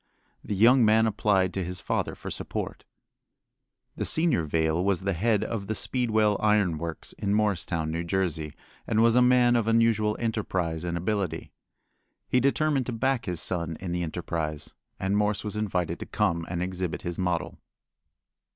The young man applied to his father for support. The senior Vail was the head of the Speedwell Iron Works at Morristown, New Jersey, and was a man of unusual enterprise and ability. He determined to back his son in the enterprise, and Morse was invited to come and exhibit his model.